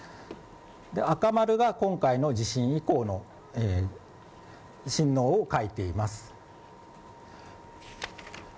赤丸が今回の地震以降の震度を書いています。